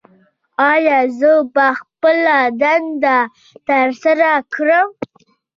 ایا زه به خپله دنده ترسره کړم؟